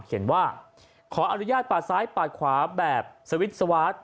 เขียนว่าขออนุญาตปาดซ้ายปาดขวาแบบสวิตช์สวาส